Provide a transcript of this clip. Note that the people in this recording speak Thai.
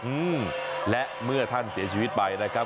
อืมและเมื่อท่านเสียชีวิตไปนะครับ